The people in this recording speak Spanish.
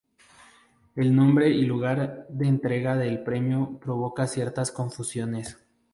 El nombre y lugar de entrega del premio provoca ciertas confusiones.